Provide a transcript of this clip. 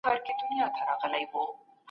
دوی په خوښۍ سره کروندو ته ځي.